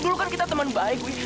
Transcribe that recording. dulu kan kita teman baik wi